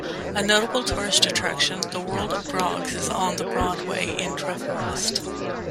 A notable tourist attraction, the World of Groggs is on the Broadway in Treforest.